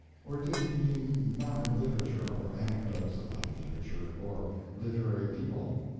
Or did he mean not in literature or anecdotes about literature or literary people?